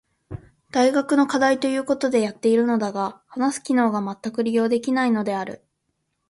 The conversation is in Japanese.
大学の課題と言うことでやっているのだが話す機能がまったく利用できていないのである。